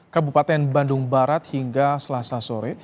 kabupaten bandung barat hingga selasa sore